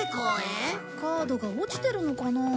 カードが落ちてるのかな？